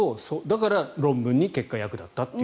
だから論文に結果、役立ったと。